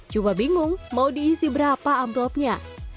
coba bingung mau diisi berapa amplopnya